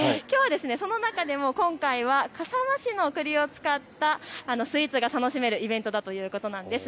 その中でも笠間市のくりを使ったスイーツが楽しめるイベントだということなんです。